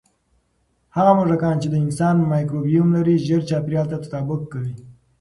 هغه موږکان چې د انسان مایکروبیوم لري، ژر چاپېریال ته تطابق کوي.